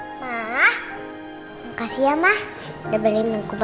udah beli minggu baju baru